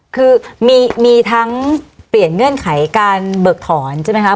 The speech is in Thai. คือมีทั้งเปลี่ยนเงื่อนไขการเบิกถอนใช่ไหมคะ